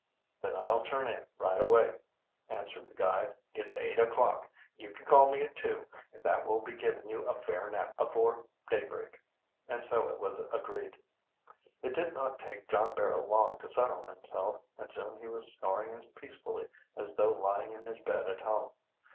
"Then I'll turn in right away," answered the guide. "It's eight o'clock. You call me at two, and that will be givin' you a fair nap afore daybreak." And so it was agreed. It did not take John Barrow long to settle himself, and soon he was snoring as peacefully as though lying in his bed at home.